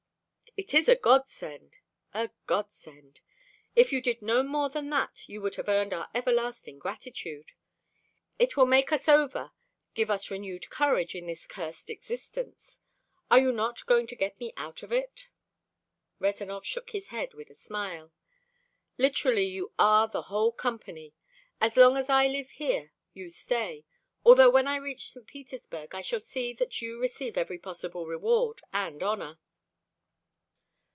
"It is a God send, a God send. If you did no more than that you would have earned our everlasting gratitude. It will make us over, give us renewed courage in this cursed existence. Are you not going to get me out of it?" Rezanov shook his head with a smile. "Literally you are the whole Company. As long as I live here you stay although when I reach St. Petersburg I shall see that you receive every possible reward and honor."